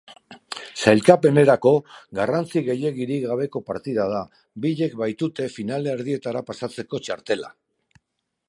Sailkapenerako garrantzi gehiegirik gabeko partida da, biek baitute finalerdietara pasatzeko txartela.